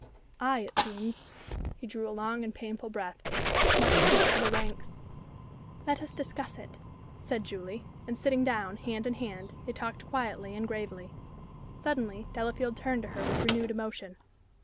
I, it seems" he drew a long and painful breath "must keep to the ranks." "Let us discuss it," said Julie; and sitting down, hand in hand, they talked quietly and gravely. Suddenly, Delafield turned to her with renewed emotion.